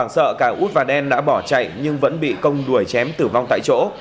sợ cả út và đen đã bỏ chạy nhưng vẫn bị công đuổi chém tử vong tại chỗ